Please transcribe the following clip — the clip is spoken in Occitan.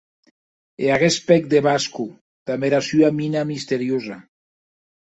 E aguest pèc de Vasco, damb era sua mina misteriosa!